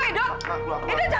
edo jangan keluar